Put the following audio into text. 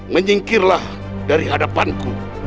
menyingkirlah dari hadapanku